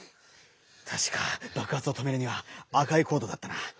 たしかばくはつをとめるには赤いコードだったな。